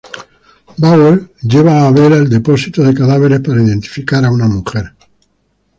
Bauer lleva a Abel al depósito de cadáveres para identificar a una mujer.